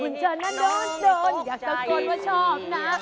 หุ่นเธอน่ะโดนอยากแต่ก่อนว่าชอบนะ